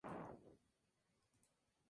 Su vida artística comenzó en Telecaribe.